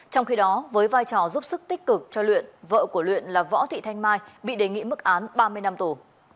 trong khi đó với vai trò giúp sức tích cực cho luyện vợ của luyện là võ thị thanh mai bị đề nghị mức án ba mươi năm tù